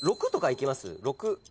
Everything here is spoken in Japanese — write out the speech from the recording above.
６とかいきます？